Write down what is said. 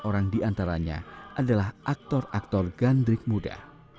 orang diantaranya adalah aktor aktor gandrik muda